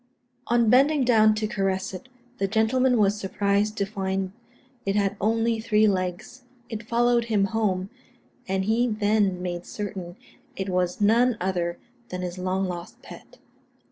On bending down to caress it, the gentleman was surprised to find it had only three legs. It followed him home, and he then made certain it was none other than his long lost pet.